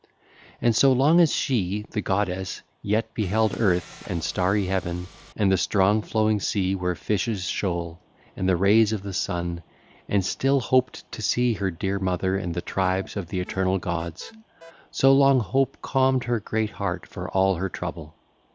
(ll. 33 39) And so long as she, the goddess, yet beheld earth and starry heaven and the strong flowing sea where fishes shoal, and the rays of the sun, and still hoped to see her dear mother and the tribes of the eternal gods, so long hope calmed her great heart for all her trouble....